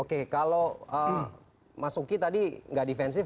oke kalau mas uki tadi nggak defensif